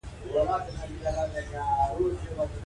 زه د ښو اخلاقو نماینده یم.